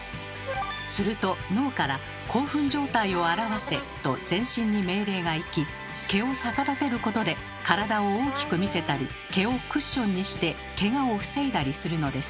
すると脳から「興奮状態を表せ」と全身に命令が行き毛を逆立てることで体を大きく見せたり毛をクッションにしてけがを防いだりするのです。